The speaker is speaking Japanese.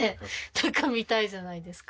中見たいじゃないですか。